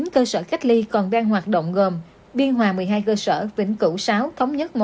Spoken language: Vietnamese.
hai mươi chín cơ sở cách ly còn đang hoạt động gồm biên hòa một mươi hai cơ sở vĩnh cửu sáu thống nhất một